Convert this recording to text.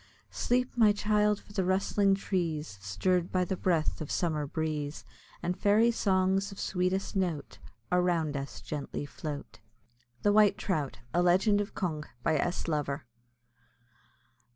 Sleep, my child! for the rustling trees, Stirr'd by the breath of summer breeze, And fairy songs of sweetest note, Around us gently float. THE WHITE TROUT; A LEGEND OF CONG. BY S. LOVER.